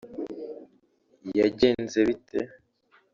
yagenze bite